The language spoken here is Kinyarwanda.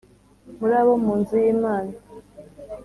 muri abo mu nzu y Imana